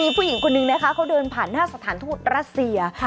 บีพู้หญิงคนนึงนะคะเค้าเดินผ่านหน้าสถานธุรกิจราเซีย